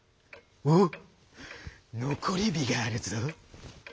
「おっのこりびがあるぞ」。